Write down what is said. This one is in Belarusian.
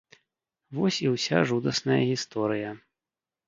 Вось і ўся жудасная гісторыя.